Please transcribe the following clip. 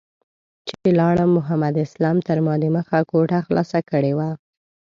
چې لاړم محمد اسلام تر ما دمخه کوټه خلاصه کړې وه.